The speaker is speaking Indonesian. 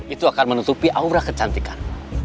itu akan menutupi aura kecantikan